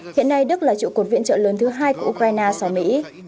hiện nay đức là trụ cột viện trợ lớn thứ hai của ukraine so với mỹ